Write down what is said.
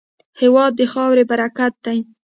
هېواد د خاورې برکت دی.